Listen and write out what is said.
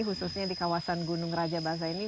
khususnya di kawasan gunung rajabasa ini